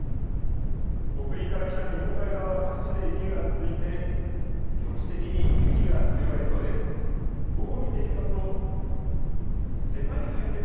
北陸から北、日本海側は各地で雪が続いて、局地的に雪が強まりそうです。